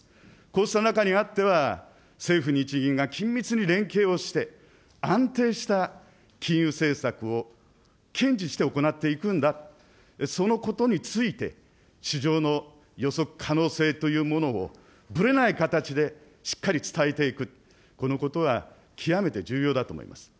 こうした中にあっては、政府・日銀が緊密に連携をして、安定した金融政策を堅持して行っていくんだ、そのことについて、市場の予測可能性というものをぶれない形でしっかり伝えていく、このことは極めて重要だと思います。